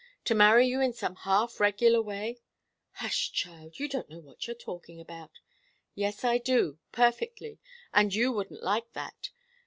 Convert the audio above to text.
To marry you in some half regular way " "Hush, child! You don't know what you're talking about!" "Yes, I do perfectly. And you wouldn't like that.